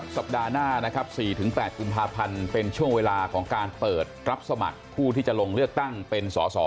สัปดาห์หน้านะครับ๔๘กุมภาพันธ์เป็นช่วงเวลาของการเปิดรับสมัครผู้ที่จะลงเลือกตั้งเป็นสอสอ